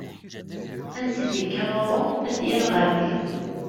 Ansi i d ikka waḍu, ad t-yerr ɣer din.